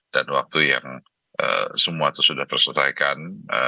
dan waktu yang semua itu sudah terselesaikan